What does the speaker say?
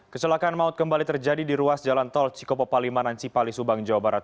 kecelakaan maut kembali terjadi di ruas jalan tol cikopo palimanan cipali subang jawa barat